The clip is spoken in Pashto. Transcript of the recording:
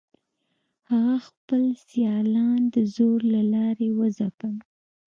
هغه خپل سیالان د زور له لارې وځپل.